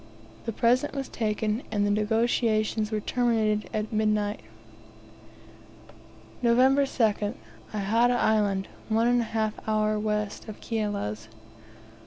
The present was taken, and the negotiations were terminated at midnight. November 2nd. Ihata Island, one and a half hour west of Kiala's.